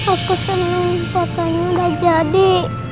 aku seneng fotonya udah jadi